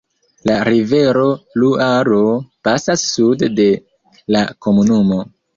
La rivero Luaro pasas sude de la komunumo.